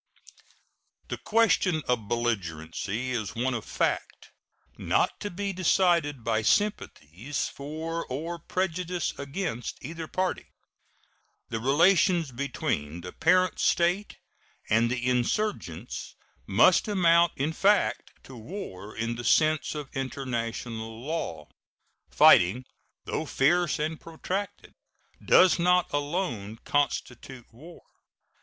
The question of belligerency is one of fact, not to be decided by sympathies for or prejudices against either party. The relations between the parent state and the insurgents must amount in fact to war in the sense of international law. Fighting, though fierce and protracted, does not alone constitute war.